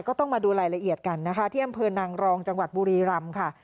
ก็ต้องมาดูรายละเอียดกันนะคะที่อำเภอนางรองจังหวัดบุรีรำค่ะ